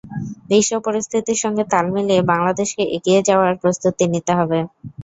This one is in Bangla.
বিশ্ব পরিস্থিতির সঙ্গে তাল মিলিয়ে বাংলাদেশকে এগিয়ে যাওয়ার প্রস্তুতি নিতে হবে।